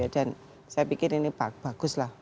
dan saya pikir ini bagus lah